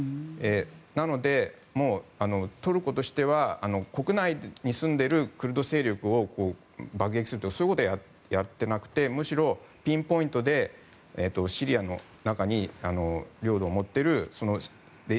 なので、トルコとしては国内に住んでいるクルド勢力を爆撃するとかそういうことはやっていなくてむしろ、ピンポイントでシリアの中に領土を持っている。